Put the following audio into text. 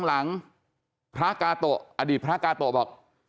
หลังพระกาโตะอดีตพระกาโตะบอก